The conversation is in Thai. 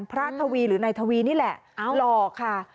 ทวีหรือนายทวีนี่แหละหลอกค่ะ